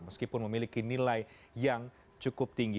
meskipun memiliki nilai yang cukup tinggi